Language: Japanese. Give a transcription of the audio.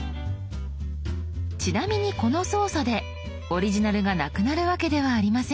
ちなみにこの操作でオリジナルがなくなるわけではありません。